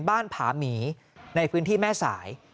บ้านผามีในพื้นที่แม่สาย